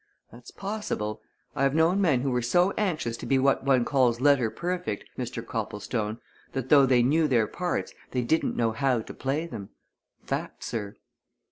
That's possible! I have known men who were so anxious to be what one calls letter perfect, Mr. Copplestone, that though they knew their parts, they didn't know how to play them. Fact, sir!"